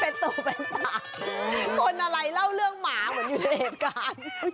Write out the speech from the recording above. เป็นตัวเป็นหมาคนอะไรเล่าเรื่องหมาเหมือนอยู่ในเหตุการณ์